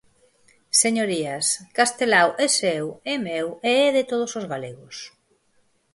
Señorías, Castelao é seu e meu e é de todos os galegos.